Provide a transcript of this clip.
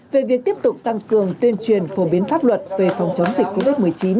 về việc tiếp tục tăng cường tuyên truyền phổ biến pháp luật về phòng chống dịch covid một mươi chín